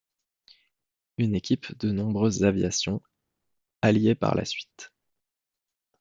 Il équipe de nombreuses aviations alliées par la suite.